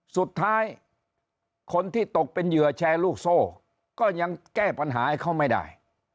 สุดท้ายคนที่ตกเป็นเหยื่อแชร์ลูกโซ่ก็ยังแก้ปัญหาให้เขาไม่ได้